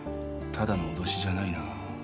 ただの脅しじゃないな。